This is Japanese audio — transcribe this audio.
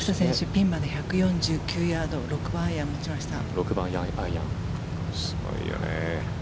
ピンまで１４９ヤード６番アイアンを持ちました。